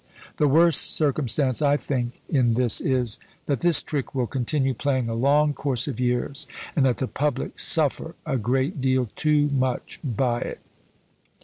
The worst circumstance, I think, in this is, that this trick will continue playing a long course of years, and that the public suffer a great deal too much by it."